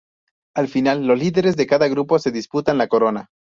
Al final, los líderes de cada grupo se disputaban la corona.